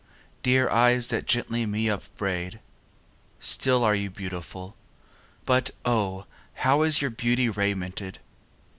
Dear eyes that gently me upbraid, Still are you beautifulâbut O, How is your beauty raimented!